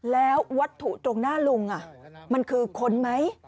แล้ววัตถุตรงหน้าลุงมันคือคนไหม